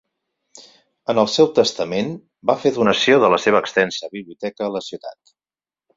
En el seu testament, va fer donació de la seva extensa biblioteca a la ciutat.